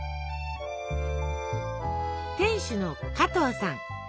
店主の加藤さん。